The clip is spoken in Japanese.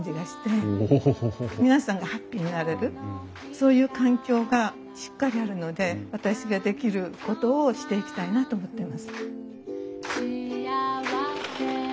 皆さんがハッピーになれるそういう環境がしっかりあるので私ができることをしていきたいなと思ってます。